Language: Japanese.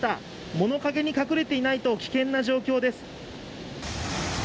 物陰に隠れていないと危険な状況です。